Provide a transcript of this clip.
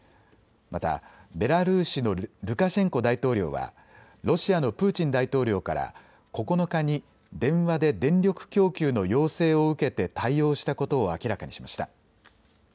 また、ベラルーシのルカシェンコ大統領はロシアのプーチン大統領から９日に電話で電力供給の要請を受けて対応したことを明らかにしました。